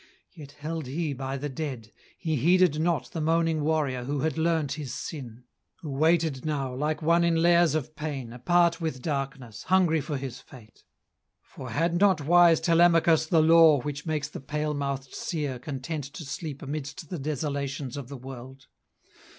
Yet held he by the dead: he heeded not The moaning warrior who had learnt his sin Who waited now, like one in lairs of pain, Apart with darkness, hungry for his fate; For had not wise Telemachus the lore Which makes the pale mouthed seer content to sleep Amidst the desolations of the world?